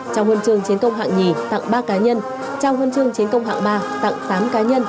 trao huân trường chiến công hạng nhì tặng ba cá nhân trao huân chương chiến công hạng ba tặng tám cá nhân